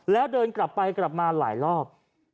แล้วเดินกลับไปกลับมาหลายรอบ